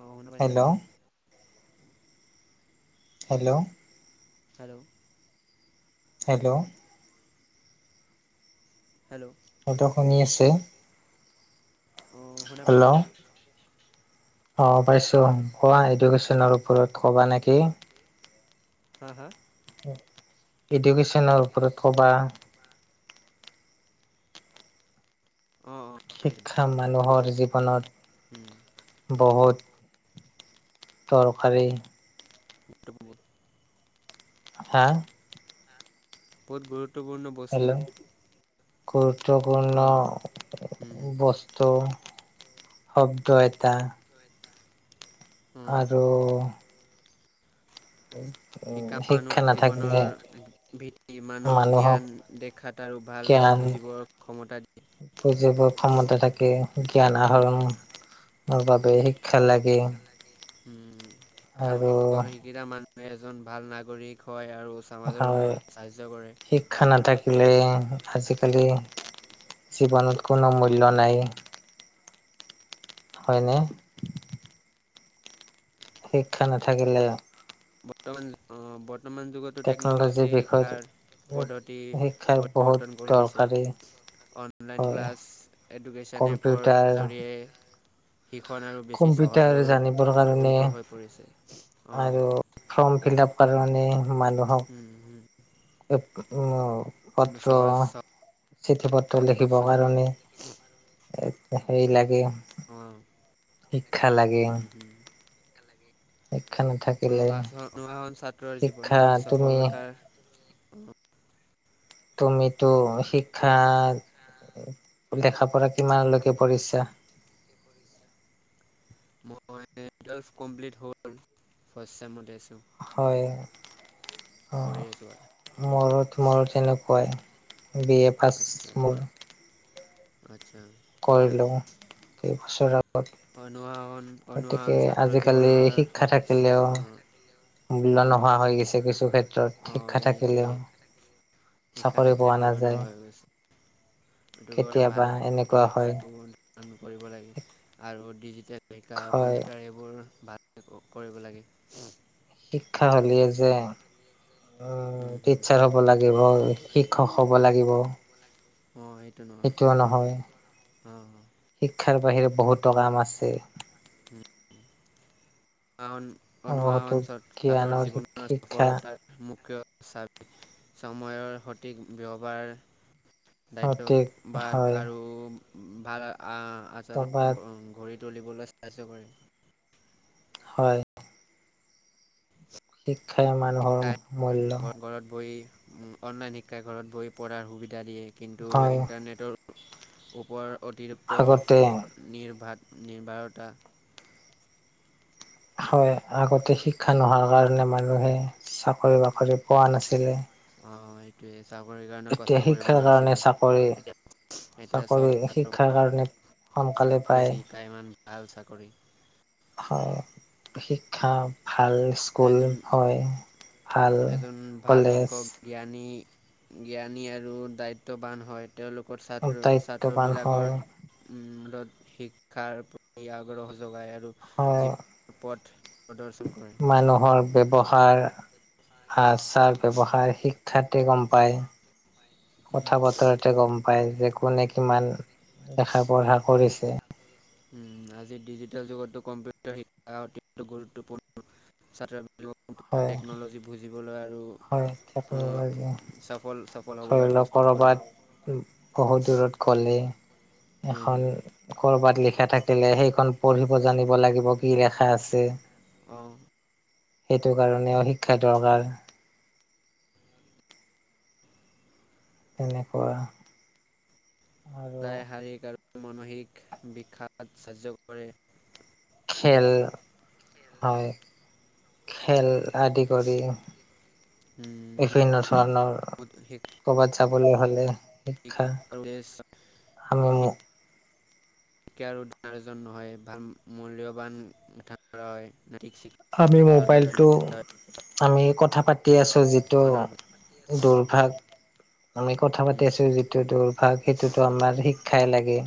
অ, শুনা পাইছা হেল্ল' নেকি? হেল্ল'! হেল্ল'! হেল্ল'! হেল্ল'! এইটো শুনি আছে অ শুনা হেল্ল' পাইছে নেকি? অ পাইছো। কোৱা এডুকেচনৰ ওপৰত কবা নেকি? হা হা? ইডুকেশচনৰ ওপৰত কবা। অ অ। শিক্ষা মানুহৰ উম জীৱনত বহুত দৰকাৰী। বহুত হা? বহুত গুৰুত্বপূৰ্ণ বস্তু হেল্ল, গুৰুত্বপূৰ্ণ অ উম হম ব স্তু শব্দ এটা শব্দ এটা আৰু শিক্ষা মানুহৰ জীৱনৰ ভিত্তি মানুহক জ্ঞান দেখাত আৰু ভাল বেয়া জ্ঞান বুজিবৰ ক্ষমতা দিয়ে। বুজিব ক্ষমতা থাকে জ্ঞান আহৰণ দিয়ে ৰ বাবে শিক্ষা লাগে। লাগে। উম শিক্ষা আৰু শিক্ষিতা মানুহে এজন ভাল নাগৰিক হয় আৰু সমাজৰ হয় উন্নতিত সাহায্য কৰে। শিক্ষা নাথাকিলে আজিকালি জীৱনত কোনো মূল্য নাই, হয় নে? শিক্ষা নাথাকিলে বৰ্তমান অ', বৰ্তমান যুগত তো টেকন'লজিৰ টেকনলজিয়ে বিষয়ত শিক্ষাৰ পদ্ধতিৰ শিক্ষাৰ বহুত পৰিৱৰ্তন কৰি দিছে। দৰকাৰী অনলাইন হয় ক্লাছ, এডুকেচন এপৰ কম্পিউটাৰ জৰিয়ে সিখন আৰু বেছি সহজ কম্পিউটাৰ আৰু জানিবৰ কাৰণে দ্ৰুত হৈ পৰিছে। অ' আৰু ফৰ্ম ফিল আপ কাৰণে মানুহক উম, এ উম উম পত্ৰ সহজ চিঠি পত্ৰ লিখিবৰ অ' কাৰণে এ সেৰি লাগে অ', শিক্ষা লাগে হুম হুম। শিক্ষা নাথাকিলে অনুশাসন অনুশাসন ছাত্ৰৰ শিক্ষা জীৱনৰ তুমি সফলতাৰ তুমিতো তুমিতো শিক্ষা শিক্ষাতে দেখা পৰা কিমানলৈকে পঢ়িছা? কি পঢ়িছা? মই টুৱেলভ কমপ্লিট হ'ল, ফাৰ্ষ্ট চেমতে আছো। হয় পঢ়ি অ', আছোঁ আৰু। মোৰো তোমাৰ ওচৰলে তেনেকুৱাই। বি এ পাছ আচ্ছা, মোৰ আচ্ছা। কৰিলো কেই বছৰত অনুশাসন অনুশাসন ছাত্ৰ আজিকালি জীৱনৰ স শিক্ষা [unintelligible] থাকিলেও অ'। মূল্য অ', নোহোৱা হৈ গৈছে কিছু ক্ষেত্ৰত অ', শিক্ষা থাকিলেও এইটোৱে শিক্ষা চাকৰি থাকিলে পোৱা মানুহ নাযায় নহয় হৈছে। সেটো কাৰণে কেতিয়াবা ভাল এনেকুৱা হয় শিক্ষাটো নকৰিব লাগে আৰু ডিজিটেল শিকা হয় কম্পিউটাৰ সেইব বোৰ ভাল অ', কৰিব লাগে। শিক্ষা হ'ল এই যে উম, টিচাৰ হ'ব লাগিব, শিক্ষক হ'ব লাগিব। [unintelligible] অ', এইটো ন সেটোও নহয়, শিক্ষাৰ বাহিৰে বহুতো কাম আছে। কাম আছে। হম কাৰণ বহুতো অনুশাসন [unintelligible] জ্ঞানৰ জীৱনৰ শিক্ষা সফলতাৰ মুখ্য চাবি [unintelligible] চময়ৰ সঠিক ব্যৱহাৰ দায়িত্ব অধিক বাদ হয় আৰু ভাল আ, আচৰণ টকাত গ ঘৰি তুলিবলৈ [unintelligible] কৰে। হয়। শিক্ষাই মানুহৰ মূল্য ঘৰ ঘৰত বহি উম' অনলাইন শিক্ষাই ঘৰত বহি পঢ়াৰ সুবিধা দিয়ে কিন্তু হয় ইন্টাৰনেটৰ ওপৰ অতিৰিক্ত আগতে নিৰ্ভাদ নিৰ্বাৰতা হয় আগতে শিক্ষা নোহোৱাৰ কাৰণে মানুহে চাকৰি বাকৰি পোৱা নাছিলে। অ', সেইটোৱে চাকৰিৰ কাৰণে এতিয়া কষ্ট কৰিব শিক্ষাৰ কাৰণে লাগিছিল চাকৰি এতিয়া। এতিয়া চাকৰি চব শিক্ষাৰ কাৰণে [unintelligible] সোনকালে যিমান পায় বেছি শিকায় সিমান ভাল চাকৰি। হয়। শিক্ষা ভাল স্কুল এজন হয় ভাল এজন ভাল কলেজ শিক্ষক জ্ঞানী জ্ঞানী আৰু দায়িত্ববান হয়। তেওঁলোকৰ ছাত্ৰ দায়িত্ববান হয় ছাত্ৰবিলাকৰ শিক্ষাৰ প্ৰতি আগ্ৰহ যোগাই আৰু আৰু হয় জীৱ পথ প্ৰদৰ্শন কৰে। নহয় ব্যৱহাৰ আৰ চাৰ ব্যৱহাৰ শিকা কথাকি গম পায় উম। কথা বতৰাত তে গম পাই কোনে কিমান দেখা পঢ়া কৰিছে। উ' আজি ডিজিটেল যুগতো কম্পিউটাৰ শিক্ষা অতি গুৰুত্বপূৰ্ণ। [unintelligible] হয় টেকনলজি বুজিবলৈ আৰু। হয় অ' [unintelligible] সফল সফল। হ'বলৈ ধৰি লওক প্ৰস্তুত কৰে। ক'ৰবাত বহুত দূৰত গ'লে হম, এখন হম। কৰবাত লিখা থাকিলে সেইখন পঢ়িব জানিব লাগিব কি লেখা আছে। অ' সেইটো কাৰণেও শিক্ষা দৰকাৰ তেনেকুৱা। আৰু সদায় শাৰীৰিক আৰু মানসিক বিখ্যাত সাহায্য কৰে। খেল হয় খেল আদি কৰি শিক্ষা বিভিন্ন ধৰণৰ ক'ৰবাত যাবলৈ হ'লে শিক্ষা আমি কে আৰু আয়োজন নহয় ভাল মূল্যবান গঠন [unintelligible] আমি মোবাইলটো আমি কথা পা তি আছোঁ যিটো দুৰ্ভাগ আমি কথা উম পাতি আছো যিটো দুৰ্ভাগ সেইটোতো আমাৰ শিক্ষাই লাগে।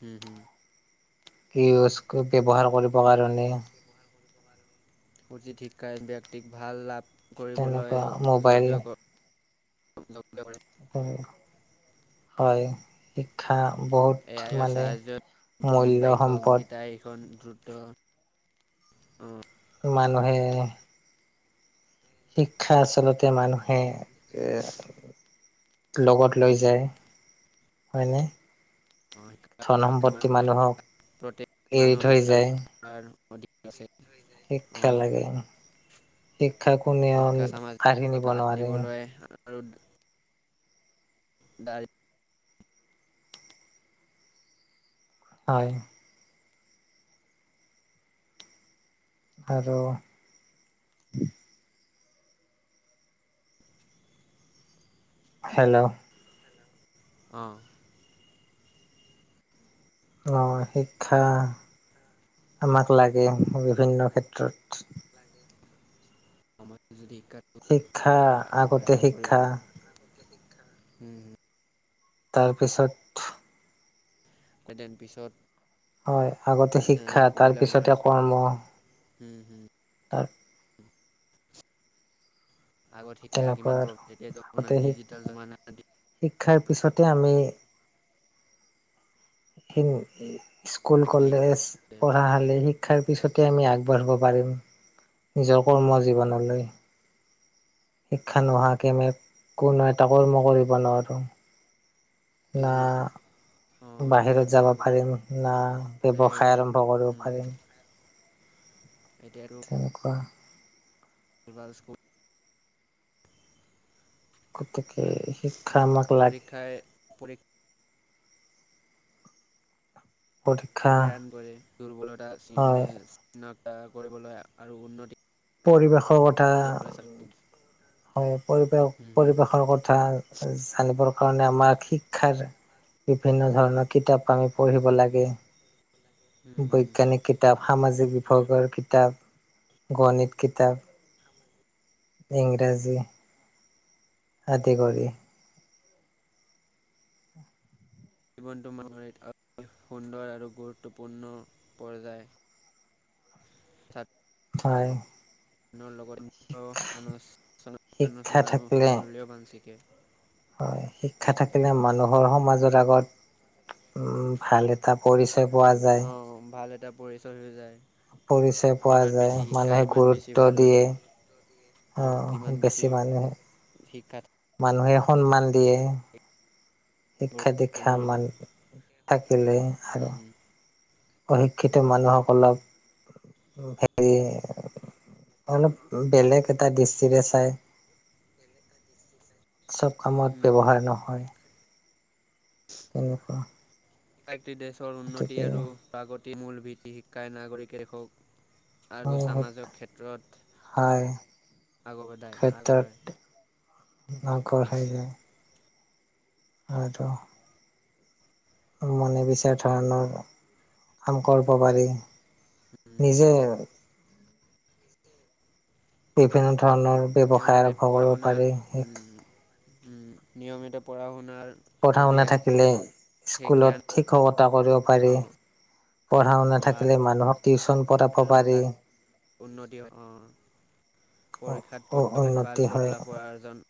হুম হুম। কি [unintelligible] ব্যৱহাৰ কৰিবৰ কাৰণে [unintelligible] শিক্ষাই ব্যক্তিক ভাল লাভ কৰিবলৈ তেনেকুৱা য মোবাইল যোগ্য ক [unintelligible] উম হয়। শিক্ষা বহুত এ আইৰ মানে সাহায্যত মূল্য বাক্য সম্পদ গেইটাৰ এইখন দ্ৰুত উম। মানুহে শিক্ষা আচলতে মানুহে এ লগত লৈ উম, যায় হয়নে? অ' শিকা ধন - শিকা সম্পত্তি মানুহৰ মানুহক এৰি থৈ যায়। আৰ অধি শিক্ষা লাগে, শিক্ষা কোনেও শিক্ষা কাঢ়ি নিব সামাজিকতা নোৱাৰে। আনিবলৈ [unintelligible] দাই হয়। আৰু হেল্ল'? অঁ। অ শিক্ষা আমাক লাগে বিভিন্ন ক্ষেত্ৰত। আমাক যদি শিক্ষাটো শিক্ষা পা আগতে গ্ৰহণ কৰিব শিক্ষা [unintelligible] উম উ তাৰপিছত [unintelligible] পিছত হয় আগতে এ, শিক্ষা তাৰ পিছতহে কৰ্ম। হুম হুম। তাৰ আগত শিক্ষাৰ তেনেকুৱা কিমান আৰু প্ৰব্লেম এতিয়াতো আগতে আপোনাৰ শি ডিজিটেল জামানাৰ দি শিক্ষাৰ পিছতে আমি খিন উম স্কুল, আজিকালি কলেজ পঢ়াশালি, শিক্ষাৰ পিছতে আমি আগবাঢ়িব পাৰিম নিজৰ কৰ্ম জীৱনলৈ। শিক্ষা নোহোৱাকৈ আমি কোনো এটা কৰ্ম কৰিব নোৱাৰোঁ। টো না অঁ এইটোৱে বাহিৰত যাব পাৰিম, না আগতে ব্যৱসায় আৰম্ভ কৰিব পাৰিম। এইটোৱে আৰু তেনেকুৱা। [unintelligible] গতিকে শিক্ষা আমাক লা পৰীক্ষাই পৰীক্ষা পৰীক্ষা জ্ঞান কৰি দুৰ্বলতা চি হয় চিনাক্ত কৰিবলৈ আৰু উন্নতি পৰিৱেশৰ কথা [unintelligible] হয় পৰিৱেশ হম পৰিৱেশৰ কথা জানিবৰ কাৰণে আমাক শি ক্ষাৰ বিভিন্ন ধৰণৰ কিতাপ আমি পঢ়িব লাগে। হম বৈজ্ঞানিক কিতাপ সামাজিক বিভাগৰ কিতাপ গণিত কিতাপ সামাজিক ইংৰাজী আদি কৰি। জীৱনটো মানুহে অ সুন্দৰ আৰু গুৰুত্বপূৰ্ণ পৰ্যায় হয় আনৰ লগত নিজেও শিক্ষা আলোচন আৰু থাকিলে মূল্যবান শিকে। হয় শিক্ষা থাকিলে মানুহৰ সমাজৰ আগত উম ভাল এটা পৰিচয় পোৱা যায়। অঁ ভাল এটা পৰিচয় হৈ যায় পৰিচয় পোৱা যিমান যায় বেছি শিকা মানুহে ইমান বেছি গুৰুত্ব ভাল হৈ দিয়ে। যায় অ অঁ যিমান বেছি মানুহে, শিক্ষা মানুহে সন্মান দিয়ে। শিক্ষা গুৰুত্বপূৰ্ণ দীক্ষা হৈ মান যায় থাকিলে আৰু উম। অশিক্ষিত মানুহসকলক হেৰি অলপ বেলেগ এটা দৃষ্টিৰে চাই। বেলেগ এটা দৃষ্টিৰে চাই। চব কামত ব্যৱহাৰ নহয়। তেনেকুৱা। [unintelligible] দেশৰ উন্নতি গতিকে আৰু প্ৰাগতিৰ মূল ভিত্তি শিক্ষাই নাগৰিকে হওঁক। আৰু সমাজৰ ক্ষেত্ৰত হয় আগবদায় আগবঢ়ায় আগবাঢ়ি যায় আৰু আৰু মনে বিচৰা ধৰণৰ কাম কৰিব পাৰি। উম, হুম। নিজে বিভিন্ন ধৰণৰ ব্যৱসায় নিয়মতে আৰম্ভ পঢ়া কৰিব শুনাৰ পাৰি উম উম উম নিয়মিত পঢ়া শুনাৰ পঢ়া শুনা অভ্যাস থাকিলে সেই স্কুলত জ্ঞান শিক্ষকতা কৰিব পাৰি। পঢ়া শুনা থাকিলে মানুহক টিউচন পঢ়াব পাৰি ডাক উন্নতি হয় অহ পৰীক্ষাত, পৰীক্ষাত ভাল উন্নতি হয় ফলাফল আৰ্জন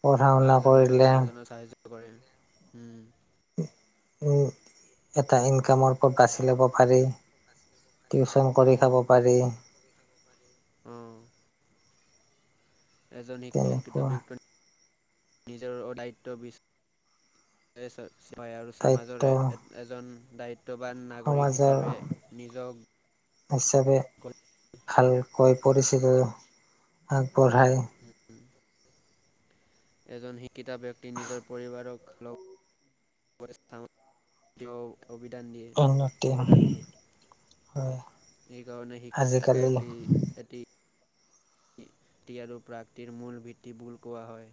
পঢ়া শুনা কৰিলে আৰ্জনত আৰ্জনৰ সাহায্য কৰে উম উম এটা ইনকামৰ পথ বাছি ল'ব পাৰি। টিউচন উম কৰি খাব পাৰি উম, অঁ। এজন শ শিক্ষিত তেনেকুৱা ব্যক্তি নিজৰ অ দায়িত্ব বি [unintelligible] পায় আৰু দায়িত্ব সমাজৰ এজন দায়িত্ববান নাগৰিক সমাজৰ হিচাপে নিজক হিচাপে ভালকৈ পৰিচিত আগবঢ়াই হম। এজন শিক্ষিতা ব্যক্তিয়ে নিজৰ পৰিবাৰক লগ [unintelligible] তেওঁ অভিদান দিয়ে উন্নতি অৱদান দিয়ে। হয় সেইকাৰণে শি আজিকালি শিক্ষাৰ্থী শি ক্ষাতি আৰু প্ৰাকৃিতিৰ মূল, ভেটি বুল কোৱা হয়।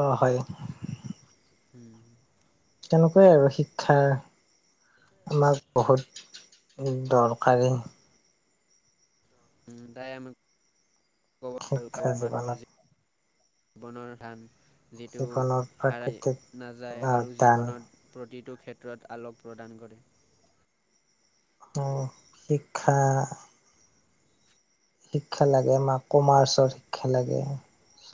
অ' হয়। উম' তেনেকুৱাই আৰু শিক্ষাৰ লাভ বহুত। উম দৰকাৰী। উম তাই আমি ক'ব শিক্ষা মানুহৰ জীৱনত যি- জীৱনৰ কাম যিটো জীৱনৰ হাৰি প্ৰাকৃতিক নাযায় আৰু দান জীৱনত- প্ৰতিটো ক্ষেত্ৰত আলোক প্ৰদান কৰে। অ' শিক্ষা- শিক্ষা লাগে আমাক কমাৰ্চত শিক্ষা লাগে। চ